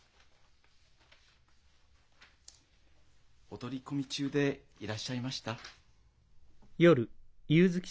お取り込み中でいらっしゃいました？